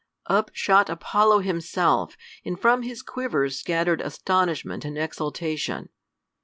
Up shot Apollo himself, and from his quiver scattered astonishment and exultation.